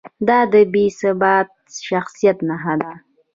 دا د بې ثباته شخصیت نښه ده.